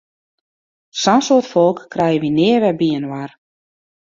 Sa'n soad folk krije wy nea wer byinoar!